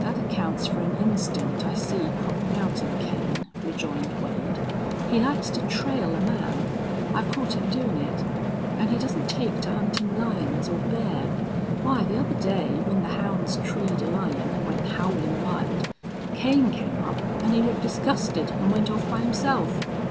"That accounts for an instinct I see croppin' out in Kane," rejoined Wade. "He likes to trail a man. I've caught him doin' it. An' he doesn't take to huntin' lions or bear. Why, the other day, when the hounds treed a lion an' went howlin' wild, Kane came up, an' he looked disgusted an' went off by himself.